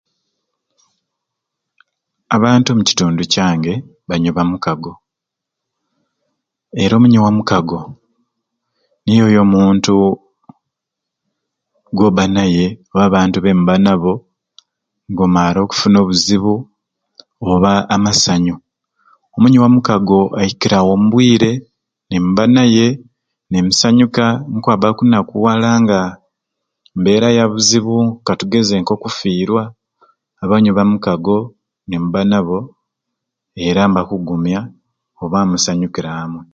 Abantu omukitundu kyange banywi bamukago era omunywi wa mukago niyooyo omuntu gwobba naye oba abantu bemubba nabo n'gomaale okufuna obuzibu oba amasanyu. Omunywi wa mukago aikirawo mu bwiire nimubba naye nimusanyuka nikwabba kunakuwala nga mbeera ya ku bizibu katugeze ka ko kufiirwa abanywiire ba mukago nimubba nabo era nibakugumya oba musanyukura amwe.